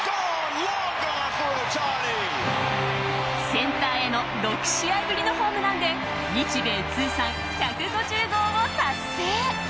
センターへの６試合ぶりのホームランで日米通算１５０号を達成！